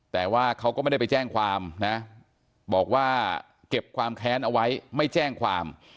แต่ว่าเขาก็ไม่ได้ไปแจ้งความนะบอกว่าเก็บความแค้นเอาไว้ไม่แจ้งความ